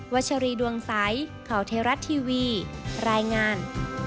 วัชรีดวงไซค์เขาเทรัสทีวีรายงาน